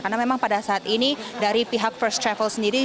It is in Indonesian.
karena memang pada saat ini dari pihak first travel sendiri